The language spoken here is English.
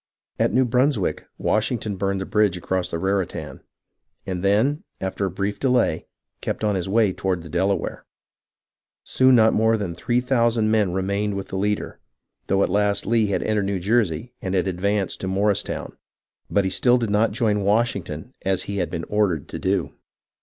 At New Brunswick, Washington burned the bridge across the Raritan, and then, after a brief delay, kept on his way toward the Delaware. Soon not more than three thousand men remained with the leader, though at last Lee had entered New Jersey and had advanced to Morristown. But he still did not join Washington as he had been ordered to do.